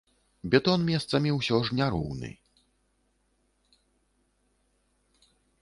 Бетон месцамі ўсё ж няроўны.